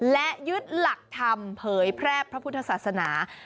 และยึดหลักธรรมเผยแพร่พระพุทธศาสนา